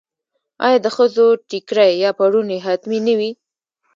آیا د ښځو ټیکری یا پړونی حتمي نه وي؟